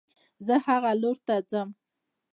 زه هغه لور ته ځم